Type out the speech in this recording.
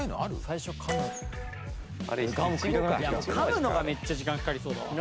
噛むのがめっちゃ時間かかりそうだもん。